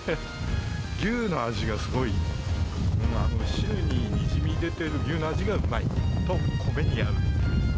牛の味がすごい、汁ににじみ出てる牛の味がうまいと米に合う。